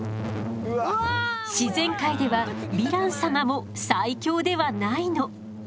自然界ではヴィラン様も最強ではないの。